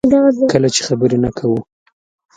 کله چې خبرې نه کوو.